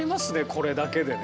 これだけでね。